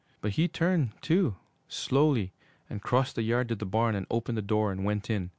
But he turned, too, slowly, and crossed the yard to the barn and opened the door and went in.